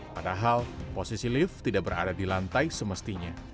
padahal posisi lift tidak berada di lantai semestinya